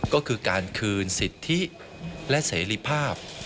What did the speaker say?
ก็คือการคืนสิทธิและเสรีภาพ